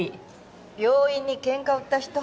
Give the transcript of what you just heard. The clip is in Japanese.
病院にケンカ売った人。